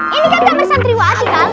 ini kan kamar santriwa ati kal